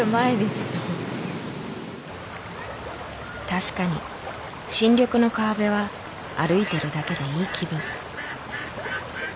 確かに新緑の川辺は歩いているだけでいい気分。